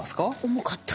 重かった。